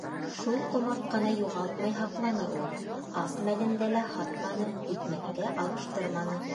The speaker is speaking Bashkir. Шул ҡомартҡыны юғалтмай һаҡланы ул. Ас мәлендә лә һатманы, икмәккә алыштырманы.